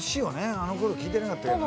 あのころ聴いてなかった。